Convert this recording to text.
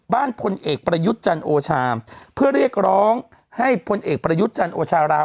พลเอกประยุทธ์จันทร์โอชาเพื่อเรียกร้องให้พลเอกประยุทธ์จันทร์โอชารา